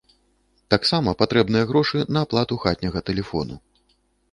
Таксама патрэбныя грошы на аплату хатняга тэлефону.